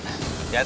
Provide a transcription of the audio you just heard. makasih pak ya